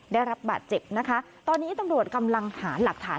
ได้รับบาดเจ็บนะคะตอนนี้ตำรวจกำลังหาหลักฐาน